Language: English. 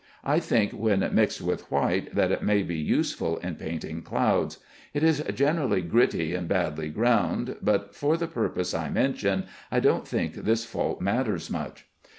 I think, when mixed with white, that it may be useful in painting clouds. It is generally gritty and badly ground, but for the purpose I mention, I don't think this fault matters much.